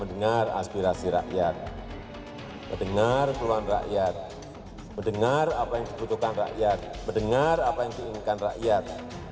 berdengar apa yang diinginkan rakyat berdengar apa yang diinginkan rakyat berdengar apa yang diinginkan rakyat